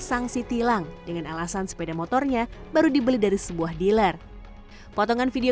sanksi tilang dengan alasan sepeda motornya baru dibeli dari sebuah dealer potongan video